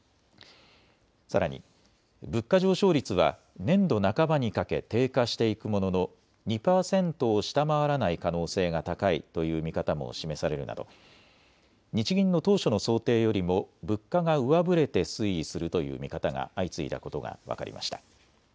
さらに物価上昇率は年度半ばにかけ低下していくものの２％を下回らない可能性が高いという見方も示されるなど日銀の当初の想定よりも物価が上振れて推移するという見方が相次いだことが分かりました。